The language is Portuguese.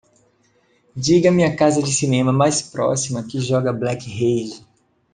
Diga-me a casa de cinema mais próxima que joga Black Rage